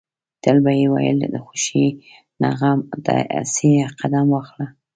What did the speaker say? تل به يې ويل د خوښۍ نه غم ته اسې قدم واخله.